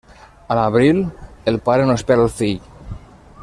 A l'abril, el pare no espera el fill.